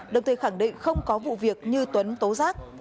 đồng thời khẳng định không có vụ việc như tuấn tố giác